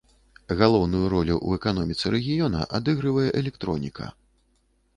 Галоўную ролю ў эканоміцы рэгіёна адыгрывае электроніка.